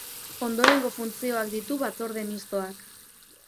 Ondorengo funtzioak ditu batzorde mistoak.